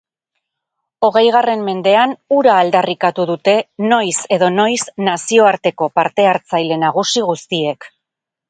Hogeigarren mendean, hura aldarrikatu dute noiz edo noiz nazioarteko parte-hartzaile nagusi guztiek.